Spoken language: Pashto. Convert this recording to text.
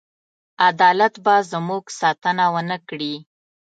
عدالت به زموږ ساتنه ونه کړي.